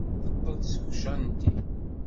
Teqqel-d seg ucanṭi.